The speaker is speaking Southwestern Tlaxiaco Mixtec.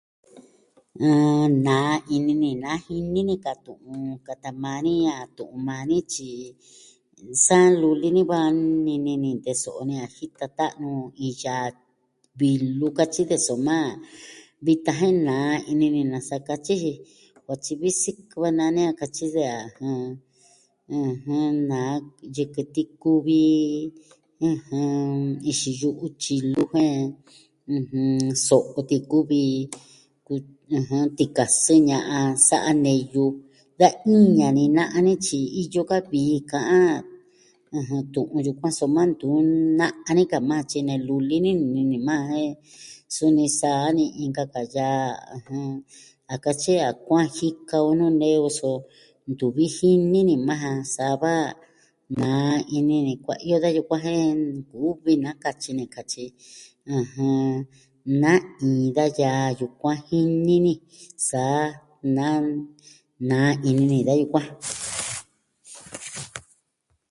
Ɨh... Naa ini ni na jini ni ka tu'un, kata maa ni a tu'un maa ni tyi, sa luli ni va nini ni teso'o ni a jita ta'nu iin yaa vilu katyi de, soma vitan jen naa ini ni nasa katyi ji. Va tyi vi sikɨ a naa ne a katyi de a, jɨn... ijɨn, na yɨkɨ ti kuvi, ɨjɨn, ixi yu'u tyilu jen, ɨjɨn, so'o tikuvi ɨjɨn... tikiasun ña'an sa'a neyu. Da iña ni na'a nityi iyo ka vii ka'an, ɨjɨn. Tu'un yukuan soma ntu na'a nika maa tyi nee luli ni nini maa jen suni sa'a ni inka ka yaa, ɨjɨn. A katyi a kuaan jika o nuu nee o, so ntuvi jini ni majan sava naa ini ni kuaiyo da yukuan jen nkuvi na katyi ni katyi. ɨjɨn, Na'in da yaa yukuan jini ni. Sa nan... naa ini ni da yukuan.